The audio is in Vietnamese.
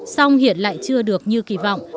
song hiện lại chưa được như kỳ vọng